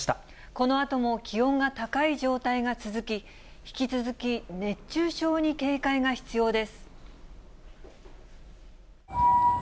このあとも気温が高い状態が続き、引き続き、熱中症に警戒が必要です。